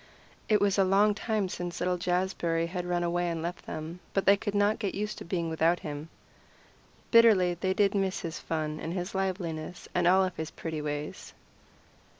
It was a long time since little Jazbury had run away and left them, but they could not get used to being without him. Bitterly did they miss his fun and his liveliness and all his pretty ways.